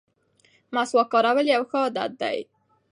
مسواک کارول یو ښه عادت دی.